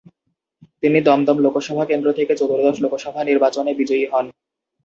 তিনি দমদম লোকসভা কেন্দ্র থেকে চতুর্দশ লোকসভা নির্বাচনে বিজয়ী হন।